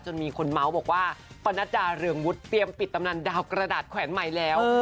มีคนเมาส์บอกว่าปนัดดาเรืองวุฒิเตรียมปิดตำนานดาวกระดาษแขวนใหม่แล้ว